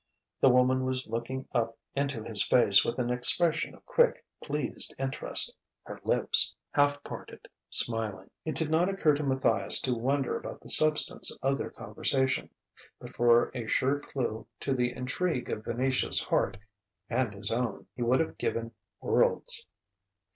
The woman was looking up into his face with an expression of quick, pleased interest, her lips, half parted, smiling. It did not occur to Matthias to wonder about the substance of their conversation. But for a sure clue to the intrigue of Venetia's heart and his own he would have given worlds.